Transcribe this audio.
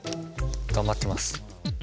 頑張ってます。